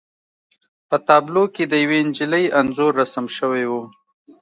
په تابلو کې د یوې نجلۍ انځور رسم شوی و